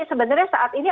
sebenarnya saat ini